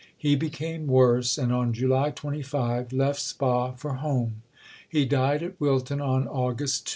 He became worse, and, on July 25, left Spa for home. He died at Wilton on August 2.